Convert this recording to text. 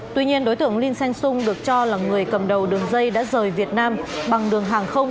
tuy nhiên đối tượng linh seng sung được cho là người cầm đầu đường dây đã rời việt nam bằng đường hàng không